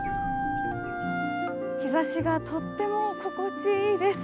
日ざしがとっても心地いいです。